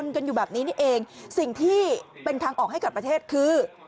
กันอยู่แบบนี้นี่เองสิ่งที่เป็นทางออกให้กับประเทศคือ